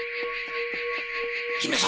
姫様。